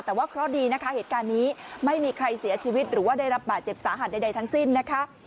แต่ว่าเคราะห์ดีนะคะเหตุการณ์นี้ไม่มีใครเสียชีวิตหรือว่าได้รับบาดเจ็บสาหัสใดทั้งสิ้นนะคะ